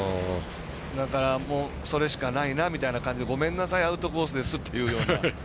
だから、それしかないなみたいなごめんなさい、アウトコースですっていうような。